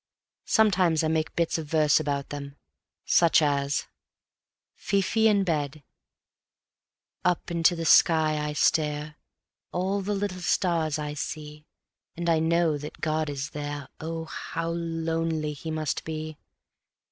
Sometimes I make bits of verse about them, such as: Fi Fi in Bed Up into the sky I stare; All the little stars I see; And I know that God is there O, how lonely He must be!